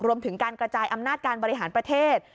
รวมถึงการกระจายอำนาจการบริหารประเทศ